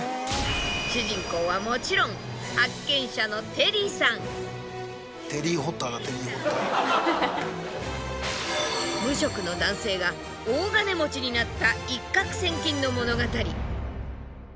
主人公はもちろん無職の男性が大金持ちになった一獲千金の物語。